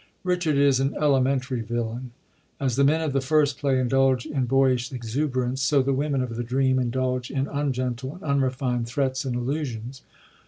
Richard Is an elementary villain. As the men of the first play indulge in boyish exuberance, so the women of the Dream, indulge in ungentle and unrefined threats and allusions.